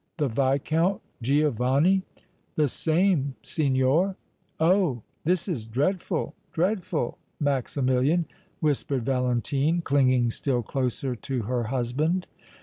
The Viscount Giovanni?" "The same, signor!" "Oh! this is dreadful, dreadful, Maximilian!" whispered Valentine, clinging still closer to her husband.